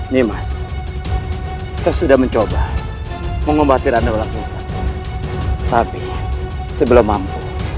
nimas saya sudah mencoba mengobati raka walang sungisawa tapi sebelum mampu